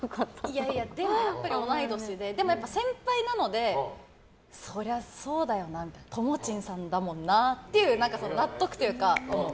いやいやでも、やっぱり同い年で先輩なのでそれはそうだよなみたいな。ともちんさんだもんなっていう納得というか。